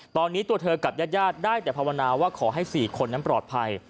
ตอนนี้ตัวเธอกับญาติได้แต่ภาวนาว่าขอให้๔คนนั้นปลอดภัย